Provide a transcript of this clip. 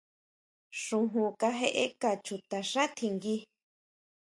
Xojón kajeʼeka chutaxá tjinguí.